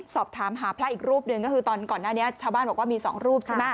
สอบถามหาพระอีกรูปหนึ่งก็คือตอนก่อนหน้านี้ชาวบ้านบอกว่ามี๒รูปใช่ไหม